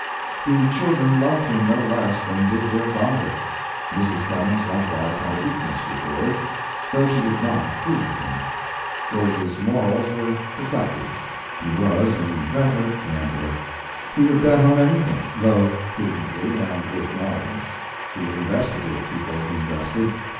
The children loved him no less than did their father. Mrs. Clemens likewise had a weakness for George, though she did not approve of him. George's morals were defective. He was an inveterate gambler. He would bet on anything, though prudently and with knowledge. He would investigate before he invested.